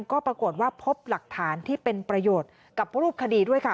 ก็ปรากฏว่าพบหลักฐานที่เป็นประโยชน์กับรูปคดีด้วยค่ะ